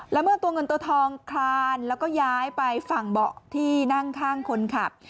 แล้วเมื่อตัวเงินตัวทองคลานแล้วก็ย้ายไปฝั่งเบาะที่นั่งข้างคนขับ